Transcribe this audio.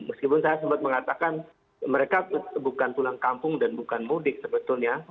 meskipun saya sempat mengatakan mereka bukan pulang kampung dan bukan mudik sebetulnya